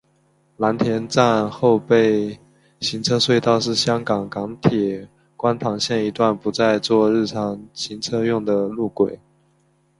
蓝田站后备行车隧道是香港港铁观塘线一段不再作日常行车用的路轨。